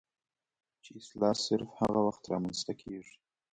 چې اصلاح صرف هغه وخت رامنځته کيږي